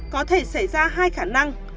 có thể xảy ra hai khả năng